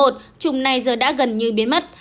trùng này giờ đã gần như biến mất